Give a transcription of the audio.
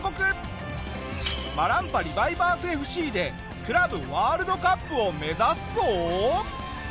マランパ・リバイバースＦＣでクラブワールドカップを目指すぞ。